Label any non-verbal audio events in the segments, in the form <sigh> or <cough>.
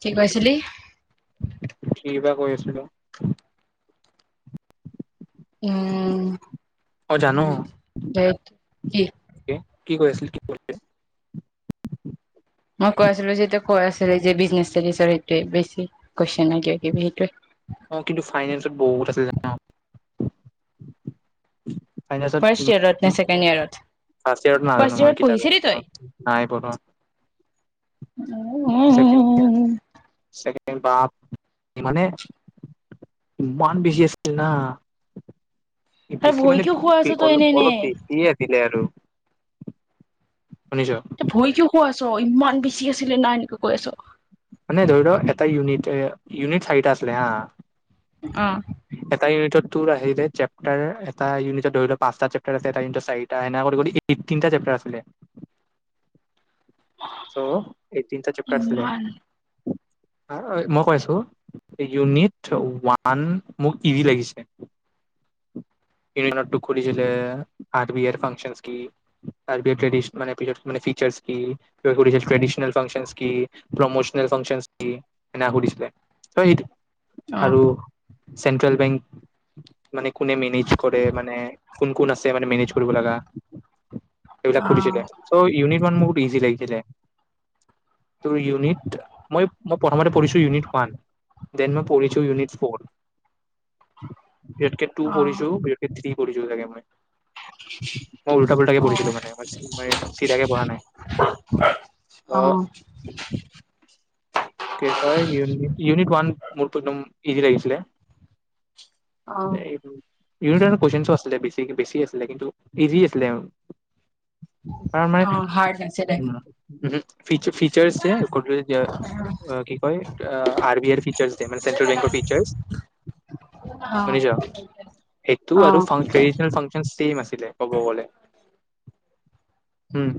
কি কৈছিলি? কি বা কৈ আছিলো? উম। অ', জানো? বত কি? কি কৰি আছিল? মই কৈ আছিলো যে, কৈ আছিলে যে বিজনে <unintelligible> বেছি ক কিব কিবি সেইটোৱে। অ', কিন্তু ফাইনেন্সত বহুত আচে জনৌ? ফাইত ফাৰ্ষ্ট ইয়েৰত নে ছেকেণ্ড ইয়েৰত <unintelligible> ফাৰ্ষ ইয়ৰত ফাৰ্ষ্ট নাজানো ইয়েৰত মই কিতাপ পঢ়িছিলি তই নাই পঢ়ো। উম উ <unintelligible> বাপ মানে, ইমান বেছি আছিল না? আৰু বেছি ভৰি মানে কিয় শুৱাই আছ তই অলপ এনে এনে অলপ বেছিয়ে আছিলে আৰু। শুনিছ এ ভয় কিয় খুৱাই আছ' <unintelligible> চ ইমান বেছি আছিলে নাই এনেকা কৈ আছ। মানে ধৰীলঃ, এটা উনিতেৰে, ইউনিট চাৰিটা আছিল সা অহ ইউনিটত তেওঁৰ আহিলে চেপ্টাৰ এটা ইউনিটত ধৰিলঃ পাঁচটা চেপ্টাৰ আছে, এটা ইউনিটত চাৰিটা হেনেকা কৰী-কৰী এইটিন তা চেপ্টাৰ আছিলে চ' এইটতিন চ চেপ্টাৰ আছিলে। ইমান মই কৈছো, ইউনিট ৱান মোক ইজি লাগিছে, ইউনিট ৱান তেওঁক খুলিছিলে আৰ বি আইৰ ফাংচন কি, আৰ বিড ট্ৰদিচন মানে পেৰিয়ড মানে ফিটোৰেছ কি, সুধিছিল ট্ৰেডিচনেল ফাংচন কি, প্ৰমচ ফাংচন কি, এনেকা সুধিছিলে। তই অ আৰু চেণ্ট্ৰেল বেংক কোনে মেনেজ কৰে মানে, কোন-কোন আছে মান মেনেজ কৰিব লগা, সবিলাক অ সুধছিলে। চ ইউনিট উৱণ ইি লাগিছিলে তোৰ ইনিট মই মই প্ৰথমতে পঢ়িছো ইউনিট ওৱান। দেন মই পঢ়িচো ইউনিট ফ'ৰ। বিতকে ট্ৰু অ বিতকে থ্ৰী পঢ়িছোঁ চাগে মই। মই উল্টা পল্টাকে অ পঢ়িছিলো মানে মই ম চিধাকে পঢ়া নাই ত। অ তই ইউনিট ওৱান মোৰতো একদম ইজি লাগিছিলে। অ স <unintelligible> ইউনিট ওৱান কুৱেশনো আছিলে বেছি আছিলে কিন্তু ইজি আছিলে। কাৰ আমাৰ অ হাৰ্ড নাছিলে ফ ফিচৰ্ যে গ অ কি কিয় ৰ বি আই ফ্ৰিচাৰ্চ মানে চেণ্ট্ৰেল বেংকৰ ফ্ৰিচাৰ্চ শুনি চ সেইটো অ আৰু ফ্ৰাং কেদিত ফ্ৰাং ছেম আছিলে কব গলে। উম,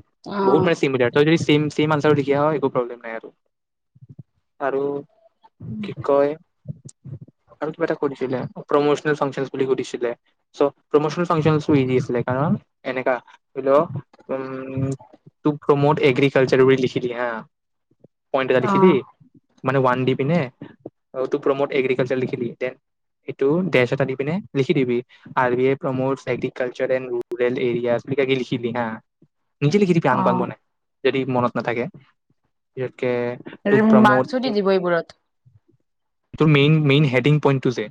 বহুত মানে চিমলাৰ যদি চিম চেইম আাৰটোখা <unintelligible> হয় একো প্ৰব্লেম নাই আৰু। আৰু কি কয় আৰু কিবা এটা কৰিছিলে। প্ৰম'চনেল ফাংচন বুলি সুধিছিলে চ' প্ৰম'চনেল ফাংচনো ইজি আছিলে কাৰণ এনেকা ধৰিল উম, এনেকা টো প্ৰমট এগ্ৰিকালচাৰ বুলি লিখিলি হা। পইট এটা লিখি অ দি মানে ওৱান দি পিনে টো প্ৰমোদ এগ্ৰিকালচাৰ লিখিলি দেত এইটো ডেছ এটা দি পিনে লিখিদিবি R B I promote agriculture and rural area কে লিখিবি হা। নিজে লিখি দিবি অ আং অ বাং বনাই। যদি মনত নাথাকে য। মাৰ্ছুট দিব এইবোৰত। তোৰ মেইন-মেইন হেডিং পইণ্টটো যে,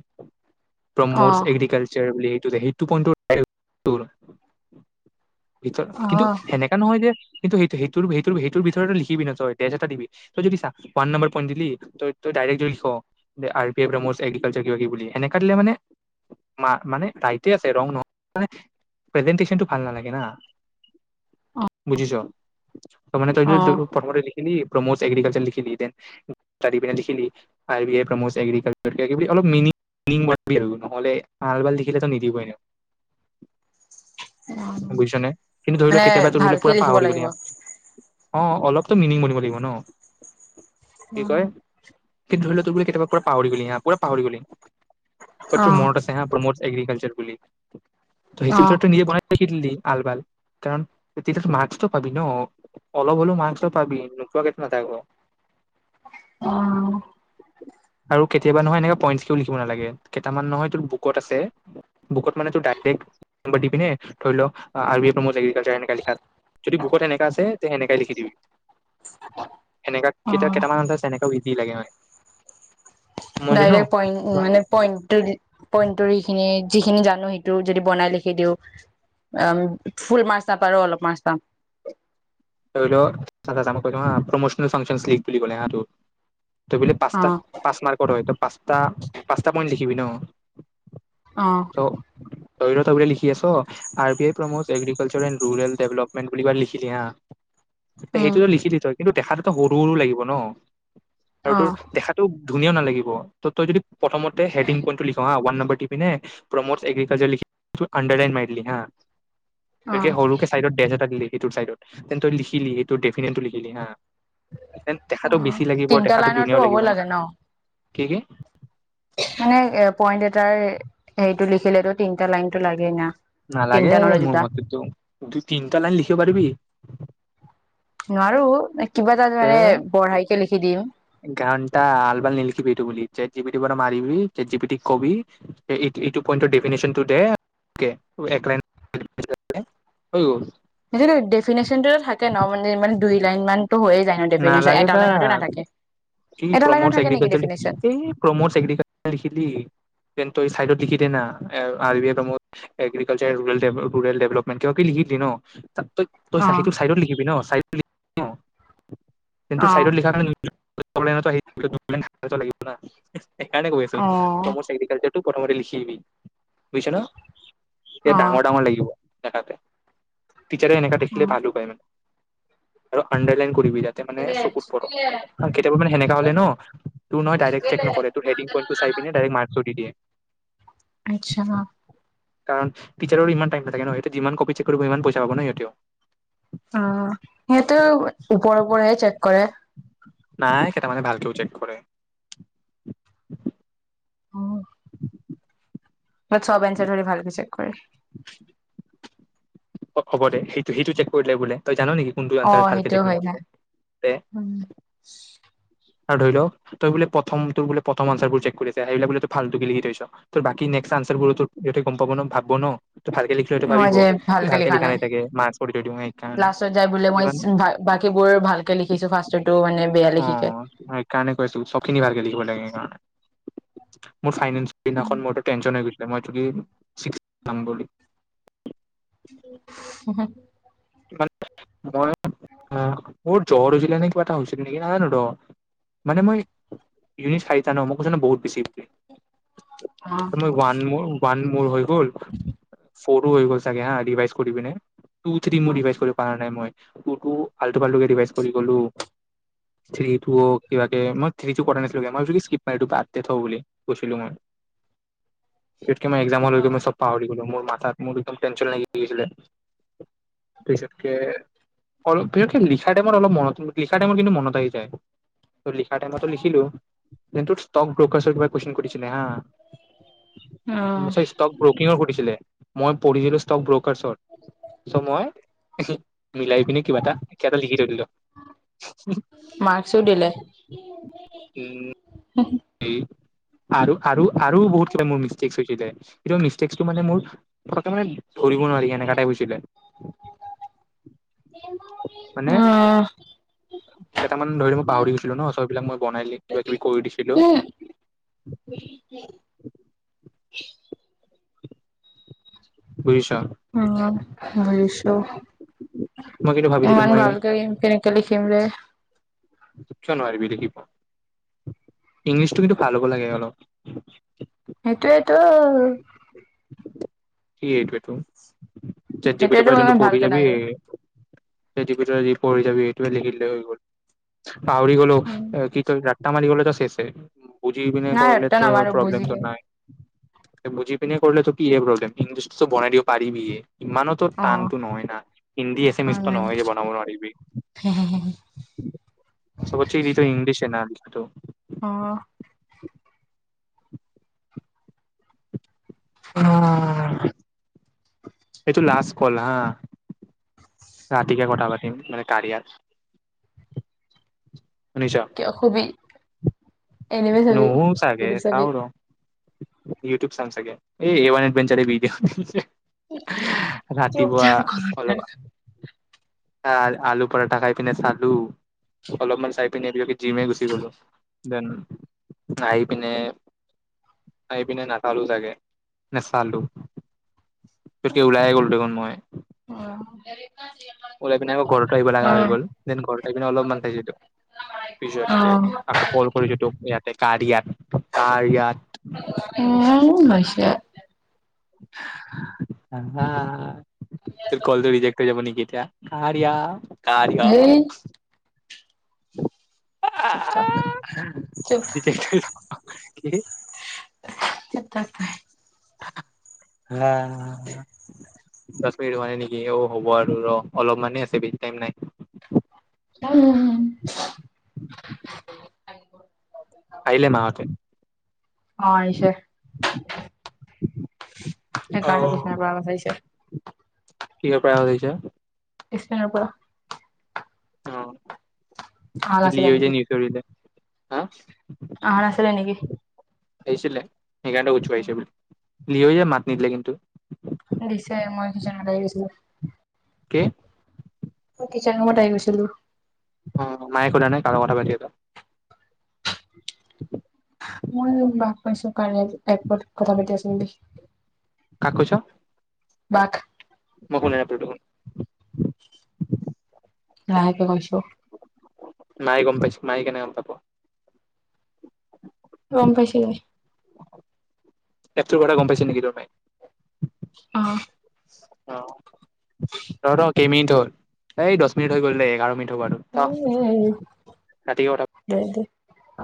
অ প্ৰমোটছ এগ্ৰিকালচৰ বি সেইটো পইট ভিতৰত অ কিন্তু সেনেকা নহয় যে কিন্তু সেইটো-সেইটো-সেইটো-সেইটোৰ ভিতৰততে লিখিবি তয় এতিয়া দিবি তই যদি চ ওৱান নম্ব পইট দিলি তই যদি দিৰেক যদি লিখ R B I promote agriculture কিবা কিবি বুলি সেনেকে‌ মানে-মানে ৰাইতে আছে ৰং নহয় প্ৰেজেটনটো ভাল নালাগে না বুজিছ। ত মানে তয়ে অ', অ'। প্ৰথমতে লেখি প্ৰমোচ এগ্ৰিকালচাৰ লিখিলি then R B R প্ৰমোচ agriculture কিবা কিবি লিখবি এলব মিনিনিং নহলে আল-বাল লখিলে নিদিবই ন। বুজিছ নে কিন্তু ধৰি লও মানে কেতিয়াবা তোৰ বোলে ভালকে পুৰা লিখিব পাহৰি গ'ল লাগিব ই অ অলপতো মিনিং বনিব লাগিব ন। অ কি কয় কি ধৰি ল ত বোলে কেতিয়াবা পৰা পাহৰি গলি হা পোৰা পাহৰি গলি। অ তো মনত আছে হা প্ৰমোদ এগ্ৰিকালচাৰ। পুলি অ হিচাপ চ নিজে ব ল আলবাল কাৰণ তেতি মাৰ্কটো পাবি ন অলপ হলেও মাৰ্কসটো পাবি নোপোৱাকে নাথাকে ন অহ আৰু কেতিয়াবা নহয় এনে পইন্ট কও লিখিব নালাগে। কেইটামান নহয় তোৰ বুকত আছে, বুকত মানে ড ড দিবিনে ধৰি লও প্ৰ এগাৰ লিখা যদি বুকত সেনেকা আছে তে সেনেকাই লিখি দিবি। এনেকা অ কেতিয়া কেইটামান আছে দি লাগে মানে। মই জানো ডাইৰেক্ পইন্ট মানে পইট পইখিনি। যিখিনি জানো সেইটো যদি বনাই লিখি দিওঁ অ ফুল মাছ চাপা অলপ মাছ পাম। ধৰি ল মই ক হা প্ৰমচনেল ফাংচন লীগ বুলি ক'লে হটো। ত বলে পাঁচ অ পাঁচ মাৰ্কত হয় পচ পাঁচটা পইট লি শিব ন। অহ চ ধৰি ল লিখি আছ R B I promo agriculture and rural development বুলিৰ লিখিলি হা উম সেইটোতো লিখি দ থয় কিন্তু দেখাটোতো সৰু সৰু লাগিব ন। আৰু অ তোৰ দেখাতটো ধুনীয়া নালাগিব ত তই যদি প্ৰথমতে হডংই পয়ইনটো নম্ব ওৱান দিমানে প্ৰমোদ আগ্ৰিহকালচ লেখি আন্দাৰেড মাৰিদিলি হা এ অ সৰুকে চাইডত ডেট এটা দিলি এইটোৰ ছাইডত তেন্ত তই লিখিলি দেফিনেটটো লিখিলি হা দেখাতটো বেছি লাগিব তিনিটা দেখাটো লাইনতো ধুনীয়াও হ'ব লাগিব ন। লাগে কি কি মানে পইন্ট এটাৰ হেৰিতটো লিখিলেতটো তিনটা লাইনতটো লাগে না। নালাগে তিনিটা নহ'লে মোৰ দুটা মতেতো দুই তিনিটা লাইন লিখিব পাৰিবি। আৰু কিবা এটা মানে বঢ়াইকে লিখি দিম। গান! ! ! ! ! ! ! ! ! ! নিলিখিবি এইটো বুলি ছেট জিপিতি পৰা মাৰিবি জি ছেট জিপিটি কবি এইটো পইণ্ড টো ডেফিনেচন টো দে এপ <unintelligible> হৈ গ'ল। সেই ডেফিনেশ্যন টো থাকে ন মানে ইমান দুই লাইন মান। নালাগে তা কি এটা প্ৰম লাইনত থাকে নেকি এগ্ৰিকালাৰ ডেফিনেশ্যন এই প্ৰমট এগ্ৰিকালাৰ লিখিলি দি তই চাইডত লিখি দে না R B I promote agriculture rural ডেভেলপমেণ্টে লিখি দে ন। তই তই অ চিটো চাইডত লিখিবি ন চাই <inaudible> কিন্তু চাইড অ লিখা থাকে অ'‌ <unintelligible> সেই কাৰনে গৈ আছো <unintelligible> প্ৰথম লিখি আহিবি বুজিছ অ এডাঙৰ ডাঙৰ লাগিব। তেহতে টিচাৰে এনেকা দেখিলে ভালো পায় মানে আৰু‌ ণ্ডাৰলাইন সুবিধাতে মানে চকুত পৰক কেতিয়াবা মানে সেনেকা হ'লে ন' তোৰ নহয়ই দাইৰেক্ট চেক নকৰে তোৰ ৰেটিং পইণ্টো চাই পিনে দাইৰেক্ট মাৰ্ক্সটো দি দিয়ে। আচ্ছা। কাৰণ টি'চাৰো ইমান টাইম নথাকে ন' সিঁহতে যিমান কপি চেক কৰিব ইমান পইচা পাব ন' সিঁহতেও। উম সিহঁতেও ওপৰৰ পৰাহে চেক কৰে। নাই কেইটামানে ভালকেওঁ চেক কৰে। ইয়াত চব এনঞ্চাৰ ধৰি ভালকে চেক কৰে। অ', হ'ব দে সেইটো সেইটো চেক কৰিলে বোলে তই জান নেকি কোনটো অ এনঞ্চাৰ ভাল কে সেইটোও চেক হয় নকৰিব না তে আৰু ধৰি'ল তই বোলে প্ৰথম তোৰ বোলে প্ৰথম আঞ্চাৰবোৰ চেক কৰি আছে, সেইবিলাক বোলে ফালটোকে লিখি থৈছ। তোৰ বাকী নেক্স আঞ্চাবোৰোটো সিহঁতে গম পাব ন', ভাব'ব ন' ত ভালকে লিখিলে সেইটো ভাবিব য়ি ভালকে লিখা নাই চাগে মাৰ্ক্সৰ <inaudible> লাষ্টত যাই বোলে মই সেইকাৰণে বাকীবোৰ ভালকে লিখিছো ফাৰ্ষ্টৰটো মানে বেয়া লিখিকে অ', সেইকাৰণে কৈছো চবখিনি ভালকে লিখিব লাগে সেইকাৰণে। মোৰ ফাইনেল। সেইখন মোৰটো টেনচন হৈ গৈছিল। মই যদি‌ চিক্স নম্বৰলৈ নহয় মই মোৰ জ্বৰ হৈছিলে নে কিবা এটা হৈছিল নেকি নাজানো ৰ, মানে মই ই চাৰিটা ন মই কৈছো নহয় বহুত বেছি বুলি অ মই ওৱান মোৰ মোৰ হৈ গল মই ৰিভাই পৰা নাই মই টুটু আলটু ফালটো কে ৰিভাই কৰিলো গলো থিৰিটু কিবা কে মই থিৰিটু পথানাছিল গে মই ভাবিছোঁ কি ইচকিপ মাৰি দিও তাত থ বুলি কৈছিলো মই ইতকে মই একজামৰ মইলৈকে মই চব পাহৰি গলো মোৰ মাথাত মোৰ একদম টেনচন লাগি গৈছিলে পিছতকে অলপ পিছতকে লিখা টাইমত অলপ মনত লিখা টাইম কিন্তু মনত আহি যায় অলিখা টাইমতো লিখিলো কিন্তু ইস্ত্ৰকগকচা কিবা কোযেচন সুবিছিলেহা অ' ষ্টক ব্ৰকিংকৰিছিলে মই পৰিছিলো ষ্টক ব্ৰকাৰ মই উহু মিলাই পিনে কিবা এটা কিবা এটা লিখি থৈ দিলো মাৰ্কচো দিলে উম আৰু আৰু আৰু বহুত কিবি মোৰ মিষ্টেক মিছটেক মানে মোৰো ধৰিব নোৱাৰি এনেকাটাইপ গৈছিলে মানে অ' কেইটামান ধৰিব মই পাহৰি গৈছিলো ন চববিলাক মই বনাই কিবা কিবি কৰি দিছিলো <unintelligible> বুজিছোঁ উ বুজিছোঁ মই কিন্তু ভাবিছিলো ইমান মই ভালকে কেনে কে লিখিম ৰে কিয় নোৱাৰিবি লিখিব ইংলিছটো কিন্তু ভাল হব লাগে অলপ সেইটোৱেটো কি এইটোৱে টো ছেট যিপিতি সেইটোয়েতো পাবি ইমান পঢ়ি ভালকে যাবি এ নাজানো ছেট যিপিতি পঢ়ি যাবি সেইটো লিখিলে হৈ গল পাহৰি গলো কি তই ৰাত্তা মাৰি গলে থিক আছে বুজি পিনে নাই কৰিলে ৰট্টা তো নামাৰো প্ৰব্লেমটো বুজিলে নাই বুজি পিনে কৰিলে তো কি প্ৰব্লেম ইংলিছটো ত বনাই দিব পিবিএ ইমানোতো অ' টানটো নহয় না হিন্দী আচামিছ হয় টো নাই নহয় যে বনাব নোৱাৰিবি চব ইংলিছ না হয়টো অ এইটো লাষ্ট কল হা ৰাতিকে কথা পাতিম মানে কালি কিয় হুবি এনেমি চাবি বা নুহো চাগে ভিডিঅ চাবি চাও ৰ ইউটিউব চাম চাগে এই এডভেন্সাৰ ভডিঅ ৰাতিপুৱা অলপ আলু পৰঠা খাই পিনে চালো অলপমান চাই পিনে জিমে গুচি গলো দেন আহি পিনে আহি পিনে নাচালো চাগে নাচালো পতকে ওলাই হে গলো দেখোন মই ত <unintelligible> ওলাই পিনে আকৌ ঘৰত আহিব লগা হৈ গল দেন ঘৰত আহি পিনে অলপমান চাইছোঁ অ' পিছতকে আকৌ কল কৰিছো তোক ইয়াতে কাৰিয়াত কাৰিয়াত <unintelligible> অ মিছা অহ হা টোৰ কলটো ৰিজেক্ট হৈ যাব নেকি এতিয়া <inaudible> কাৰিয় সেই চুপ থাক <unintelligible> চুপ তেতিয়া কি সত <inaudible> <unintelligible> হা উ <inaudible> দচ মিনিট হোৱা নাই নেকি অ হ'ব আৰু ৰ অলপমানানে আছে বেছি টাইম নাই। অ <inaudible> <inaudible> <unintelligible> আহিলে মাহঁতে অ আহিছে সেইকাৰণে বিচাৰিব অ পৰা আহিছে কিহৰ পৰা আহিছে <inaudible> পৰা অ <unintelligible> আহাৰ আছিলে নেকি হা আহাৰ আছিলে নেকি আহছিলে সেইকাৰনে উঠুৱাইছে বোলে <unintelligible> লি যে মাত নিদিলে কিন্তু। দিছে মই কি জন লাই দিছিলো কি কিছেন ৰুমত আহি গৈছিলো অ মায়ে একো সোধা নাই কাৰ লগত কথা পাতিলে <inaudible> মই বাস পাইছো কাৰণ এক কথা পাতি আচো দেখি কাক কৈছ বাক মই শুনা নাপালোঁ দেখোন <inaudible> লাহেকে কৈছো মইয়ে গম পাইছো মায়ে কেনেকে গম পাৱ গম পাইছিলে এপ টো কথা গম পাইছে নেকি তোৰ মায়ে অ ত কেই মিনিট হ'ল এই দহ মিনিট হৈ গ'ল দে এঘাৰ মিনিট হ'ব আৰু থ অ উ ৰাতিকে কথা দে অ